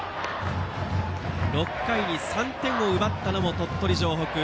６回に３点を奪ったのも鳥取城北。